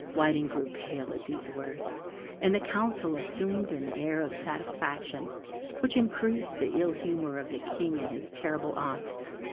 Whiting grew pale at these words, and the council assumed an air of satisfaction, which increased the ill humour of the King and his terrible aunt.